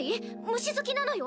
虫好きなのよ